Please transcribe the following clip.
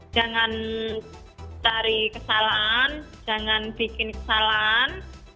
jangan cari kesalahan jangan bikin kesalahan